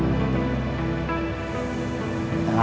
aku mau pulang sendiri